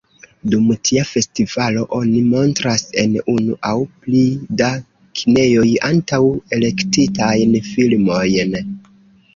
Dum tia festivalo, oni montras en unu aŭ pli da kinejoj antaŭ-elektitajn filmojn.